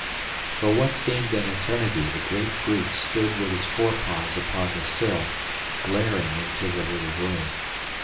For what seemed an eternity the great brute stood with its forepaws upon the sill, glaring into the little room.